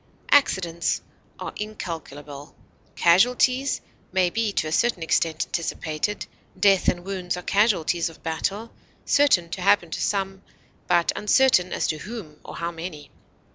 Accidents are incalculable; casualties may be to a certain extent anticipated; death and wounds are casualties of battle, certain to happen to some, but uncertain as to whom or how many.